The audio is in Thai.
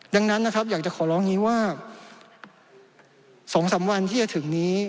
ดังนั้นนะครับอยากจะขอร้องนี้ว่า๒๓วันที่จะถึงนี้